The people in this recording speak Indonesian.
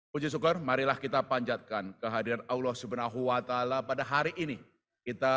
puji syukur marilah kita panjatkan kehadiran allah subhanahu wa ta ala pada hari ini kita